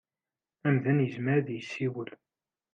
Amdan yezmer ad yessiwel.